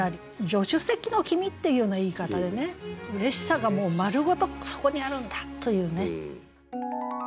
「助手席の君」っていうような言い方でね嬉しさがもう丸ごとそこにあるんだというね。